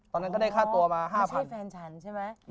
ตอนนั้นก็ได้ฆ่าตัวมา๕พัน๕๐๐บาทมีเหมือนความเพิ่มไม่ใช่แฟนฉันใช่ไหม